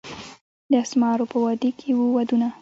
د اسمارو په وادي کښي وو ودونه